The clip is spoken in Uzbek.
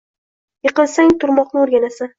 Yiqilsang, turmoqni oʻrganasan